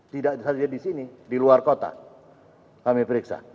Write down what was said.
tidak saja di sini di luar kota kami periksa